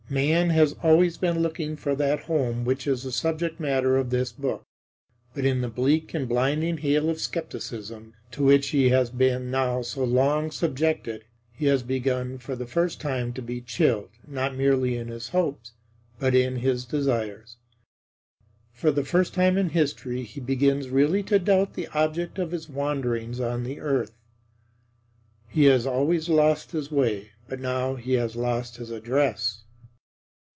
Man has always been looking for that home which is the subject matter of this book. But in the bleak and blinding hail of skepticism to which he has been now so long subjected, he has begun for the first time to be chilled, not merely in his hopes, but in his desires. For the first time in history he begins really to doubt the object of his wanderings on the earth. He has always lost his way; but now he has lost his address.